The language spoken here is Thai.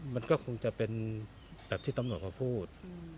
มันก็คงจะเป็นแบบที่ตำรวจเขาพูด